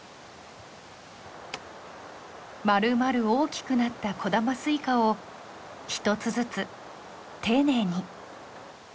丸々大きくなった小玉スイカをひとつずつ丁寧に。